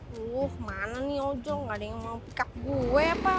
loh mana nih ojol gak ada yang mau pickup gue apa